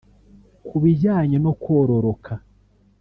Ku bijyanye no kororoka